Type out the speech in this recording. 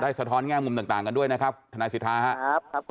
สะท้อนแง่มุมต่างกันด้วยนะครับทนายสิทธาครับ